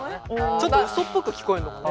ちょっとうそっぽく聞こえんのかね。